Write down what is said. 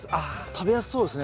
食べやすそうですね